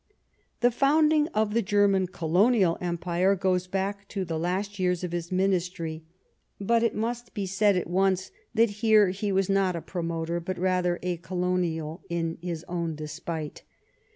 The founding of the German Colonial Empire goes back to the last years of his Ministry ; but it must be said at once that here he was The German jjq^ g. promoter, but rather a colonial Colonies .^ m his own despite.